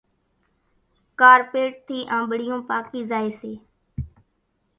ڪارپيٽ ٿِي آنٻڙِيون پاڪِي زائيَ سي۔